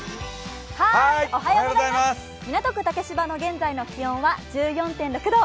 港区竹芝の現在の気温は１４．６度。